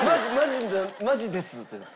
「マジです」ってなって。